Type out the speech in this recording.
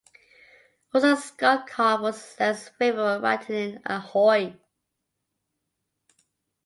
Orson Scott Card was less favorable, writing in Ahoy!